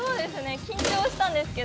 緊張したんですけど。